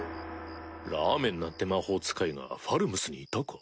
ラーメンなんて魔法使いがファルムスにいたか？